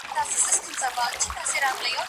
هغه پرمختګ چې تخنيکي وي اغېزمن دی.